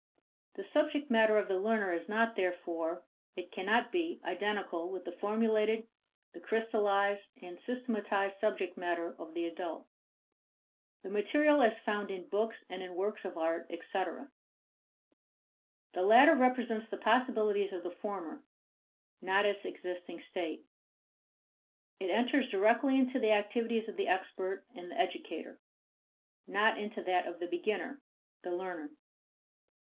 The subject matter of the learner is not, therefore, it cannot be, identical with the formulated, the crystallized, and systematized subject matter of the adult; the material as found in books and in works of art, etc. The latter represents the possibilities of the former; not its existing state. It enters directly into the activities of the expert and the educator, not into that of the beginner, the learner.